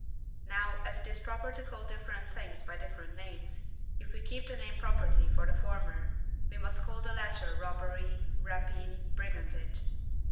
Now, as it is proper to call different things by different names, if we keep the name "property" for the former, we must call the latter robbery, rapine, brigandage.